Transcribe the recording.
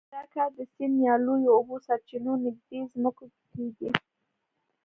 دا کار د سیند یا لویو اوبو سرچینو نږدې ځمکو کې کېږي.